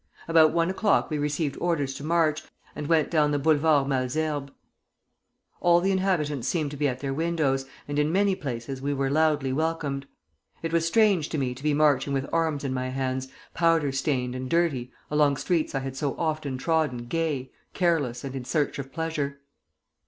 About one o'clock we received orders to march, and went down the Boulevard Malesherbes. All the inhabitants seemed to be at their windows, and in many places we were loudly welcomed. It was strange to me to be marching with arms in my hands, powder stained and dirty, along streets I had so often trodden gay, careless, and in search of pleasure.